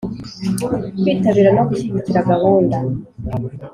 Kwitabira no gushyigikira gahunda